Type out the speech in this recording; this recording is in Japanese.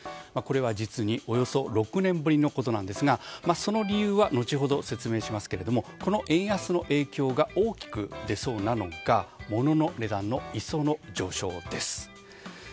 これは実におよそ６年ぶりのことなんですがその理由は後ほど説明しますがこの円安の影響が大きく出そうなのが物の値段の一層の上昇です。